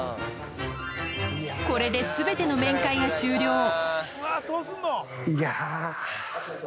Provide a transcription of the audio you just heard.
これで全ての面会が終了いや。